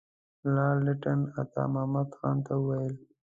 لارډ لیټن عطامحمد خان ته وویل.